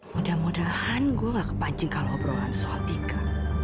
mudah mudahan gue nggak kepancing kalau obrolan soal dika